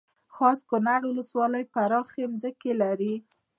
خاص کونړ ولسوالۍ پراخې ځمکې لري